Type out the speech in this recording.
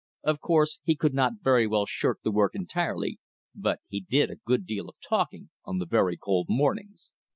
Of course he could not very well shirk the work entirely, but he did a good deal of talking on the very cold mornings.